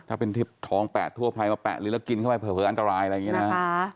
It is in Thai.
ถ้าเป็นที่ท้องแปะทั่วไพรมาแปะลิ้นแล้วกินเข้าไปเผลออันตรายอะไรอย่างเงี้ยนะคะ